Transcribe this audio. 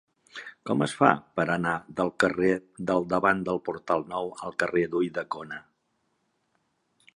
Com es fa per anar del carrer del Davant del Portal Nou al carrer d'Ulldecona?